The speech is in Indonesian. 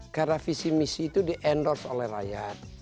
karena visi misi itu di endorse oleh rakyat